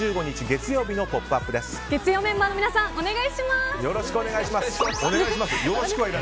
月曜メンバーの皆さんお願いします。